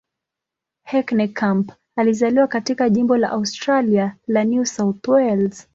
Heckenkamp alizaliwa katika jimbo la Australia la New South Wales.